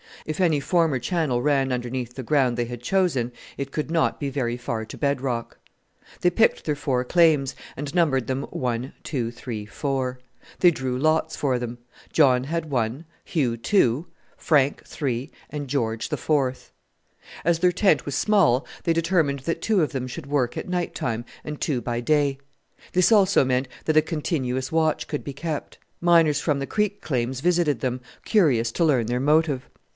If any former channel ran underneath the ground they had chosen it could not be very far to bed rock. They picked their four claims, and numbered them 1, 2, 3, 4. They drew lots for them. John had 1, Hugh 2, Frank 3, and George the 4th. As their tent was small they determined that two of them should work at night time and two by day. This also meant that a continuous watch could be kept. Miners from the creek claims visited them, curious to learn their motive.